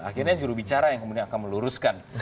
akhirnya juru bicara yang kemudian akan meluruskan